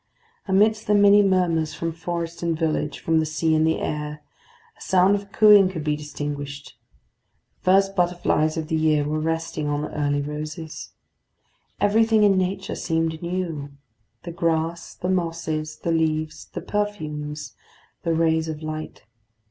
Amidst the many murmurs from forest and village, from the sea and the air, a sound of cooing could be distinguished. The first butterflies of the year were resting on the early roses. Everything in nature seemed new the grass, the mosses, the leaves, the perfumes, the rays of light.